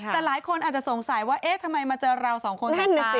แต่หลายคนอาจจะสงสัยว่าเอ๊ะทำไมมาเจอเราสองคนท่านหนึ่ง